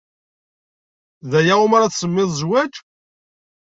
D aya umi ara tsemmid zzwaj?